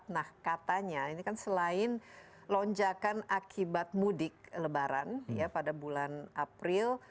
nah katanya ini kan selain lonjakan akibat mudik lebaran ya pada bulan april